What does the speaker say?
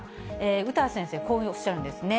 歌先生、こうおっしゃるんですね。